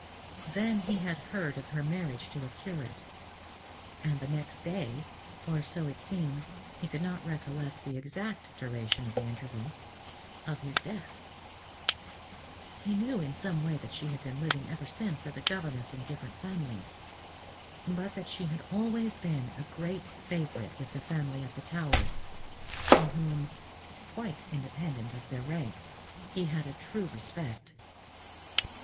Then he had heard of her marriage to a curate; and the next day (or so it seemed, he could not recollect the exact duration of the interval), of his death. He knew, in some way, that she had been living ever since as a governess in different families; but that she had always been a great favourite with the family at the Towers, for whom, quite independent of their rank, he had a true respect.